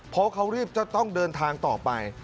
เพราะเขารีบจะต้องเดินทางต่อไป